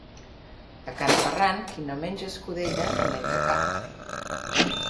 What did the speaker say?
A can Ferran, qui no menja escudella, no menja carn.